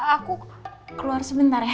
aku keluar sebentar ya